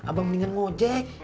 abang mendingan ngejek